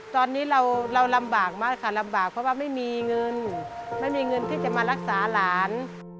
ตอนนี้เราลำบากมากค่ะลำบากเพราะว่าไม่มีเงินไม่มีเงินที่จะมารักษาหลาน